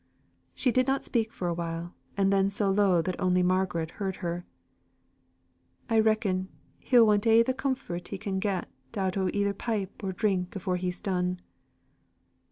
She did not speak for a while, and then so low that only Margaret heard her: "I reckon, he'll want a' the comfort he can get out o' either pipe or drink afore he's done."